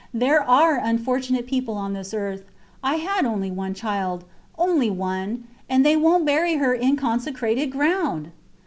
There are unfortunate people on this earth. I had only one child. Only one! And they wont bury her in consecrated ground!